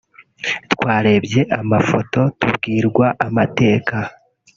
twarebye amafoto tubwirwa amateka